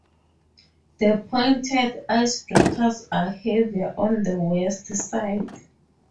The pointed icebreakers are heavier on the west side.